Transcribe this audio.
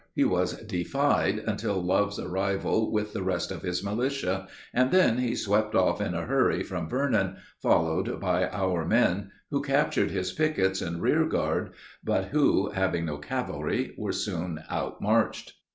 He was defied until Love's arrival with the rest of his militia, and then he swept off in a hurry from Vernon, followed by our men, who captured his pickets and rear guard, but who, having no cavalry, were soon outmarched.